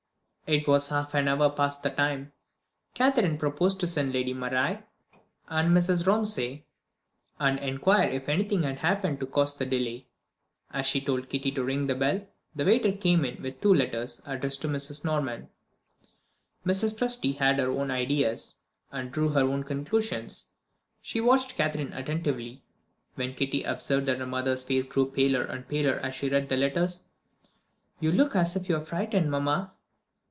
It was half an hour past the time. Catherine proposed to send to Lady Myrie and Mrs. Romsey, and inquire if anything had happened to cause the delay. As she told Kitty to ring the bell, the waiter came in with two letters, addressed to Mrs. Norman. Mrs. Presty had her own ideas, and drew her own conclusions. She watched Catherine attentively. Even Kitty observed that her mother's face grew paler and paler as she read the letters. "You look as if you were frightened, mamma."